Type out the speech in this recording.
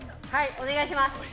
お願いします。